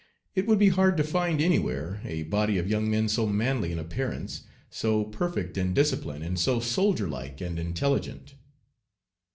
It would be hard to find anywhere a body of young men so manly in appearance, so perfect in discipline, and so soldier like and intelligent.